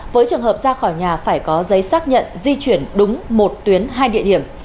với trường hợp ra khỏi nhà phải có giấy xác nhận di chuyển đúng một tuyến hai địa điểm